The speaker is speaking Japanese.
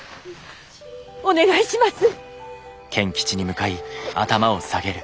お願いします！